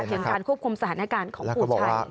เถียงการควบคุมสถานการณ์ของปู่ชัย